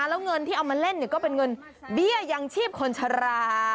แล้วเงินที่เอามาเล่นก็เป็นเงินเบี้ยยังชีพคนชะลา